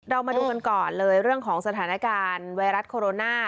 เรามาดูกันก่อนเลยเรื่องของสถานการณ์ไวรัสโคโรนา